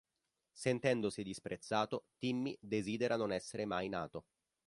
Sentendosi disprezzato, Timmy desidera non essere mai nato.